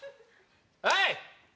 はい。